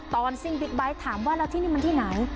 ซิ่งบิ๊กไบท์ถามว่าแล้วที่นี่มันที่ไหน